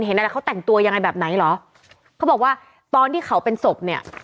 เห็นอะไรเขาแต่งตัวยังไงแบบไหนเหรอเขาบอกว่าตอนที่เขาเป็นศพเนี่ย